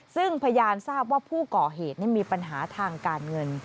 ซึ่งพยานทราบว่าผู้ก่อเหตุมีปัญหาทางการเงิน